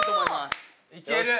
いける？